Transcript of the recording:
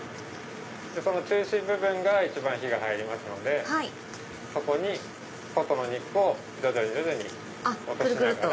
その中心部分が一番火が入りますのでそこに外の肉を徐々に落としながら。